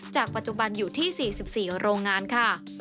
จากปัจจุบันอยู่ที่๔๔โรงงานค่ะ